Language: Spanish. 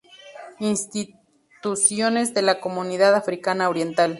Instituciones de la Comunidad Africana Oriental